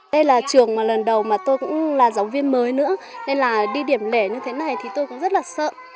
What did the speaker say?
đây là trường mà lần đầu mà tôi cũng là giáo viên mới nữa nên là đi điểm lẻ như thế này thì tôi cũng rất là sợ